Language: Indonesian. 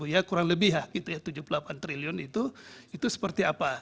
ya kurang lebih ya gitu ya tujuh puluh delapan triliun itu itu seperti apa